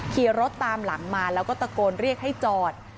ขี่รถตามหลังมาแล้วก็ตะโกนเรียกให้จอด